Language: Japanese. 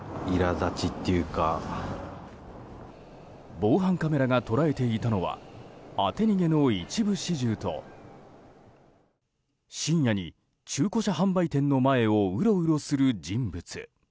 防犯カメラが捉えていたのは当て逃げの一部始終と深夜に中古車販売店の前をうろうろする人物。